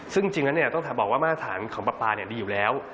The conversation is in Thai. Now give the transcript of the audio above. ซึ่งจริงแล้วต้องบอกว่ามาตรฐานของปลาปลาดีอยู่แล้ว